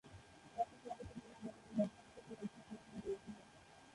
একই সঙ্গে তিনি উপার্জনের মাধ্যম হিসেবে পোশাক কারখানা গড়ে তোলেন।